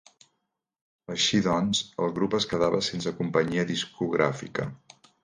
Així doncs, el grup es quedava sense companyia discogràfica.